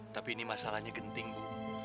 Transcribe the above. tapi ini masalahnya genting bu